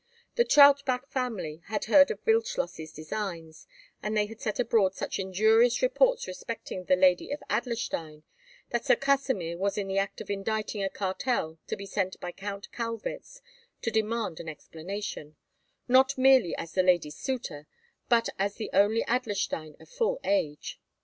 The Trautbach family had heard of Wildschloss's designs, and they had set abroad such injurious reports respecting the Lady of Adlerstein, that Sir Kasimir was in the act of inditing a cartel to be sent by Count Kaulwitz, to demand an explanation—not merely as the lady's suitor, but as the only Adlerstein of full age.